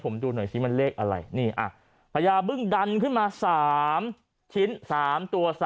ผมดูหน่อยซิมันเลขอะไรนี่พญาบึ้งดันขึ้นมา๓ชิ้น๓ตัว๓